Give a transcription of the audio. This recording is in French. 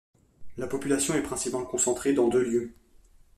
La population est principalement concentrée dans deux lieux.